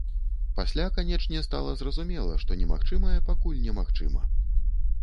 Пасля, канечне, стала зразумела, што немагчымае пакуль немагчыма.